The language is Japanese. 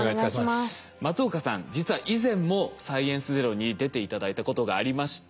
松岡さん実は以前も「サイエンスＺＥＲＯ」に出て頂いたことがありまして。